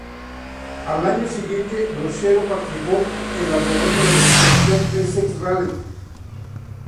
Al año siguiente Brochero participó en la derrota de la Expedición Essex-Raleigh.